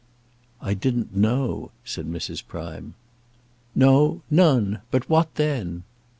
"I didn't know," said Mrs. Prime. "No; none. But what then?"